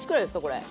これ。